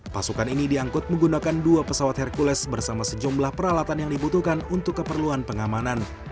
pasukan ini diangkut menggunakan dua pesawat hercules bersama sejumlah peralatan yang dibutuhkan untuk keperluan pengamanan